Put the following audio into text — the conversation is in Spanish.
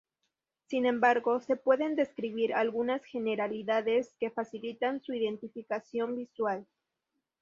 Sin embargo, se pueden describir algunas generalidades que facilitan su identificación visual.